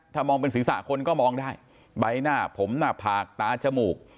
ถ้ามองเป็นศีรษะคนก็มองได้ใบหน้าผมหน้าผากตาจมูก